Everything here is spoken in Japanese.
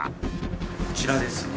こちらですね。